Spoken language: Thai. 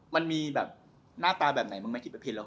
มันมีหน้าตราแบบไหนมันไม่คิดไปเพลงแล้ว